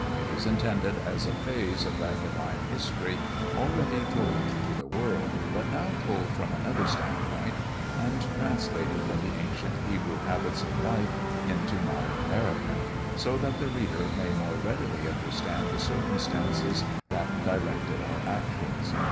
It is intended as a phase of that divine history already told to the world, but now told from another stand point and translated from the ancient Hebrew habits of life into modern American, so that the reader may more readily understand the circumstances that directed our actions.